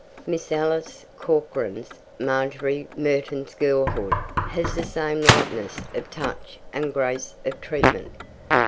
Miss Alice Corkran's Margery Merton's Girlhood has the same lightness of touch and grace of treatment.